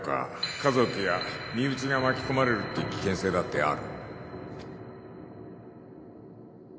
家族や身内が巻き込まれるって危険性だってある